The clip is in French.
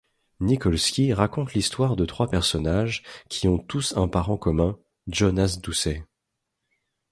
Nikolski raconte l'histoire de trois personnages qui ont tous un parent commun, Jonas Doucet.